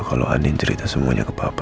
kalau andin cerita semuanya ke papa